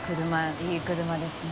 いい車ですね。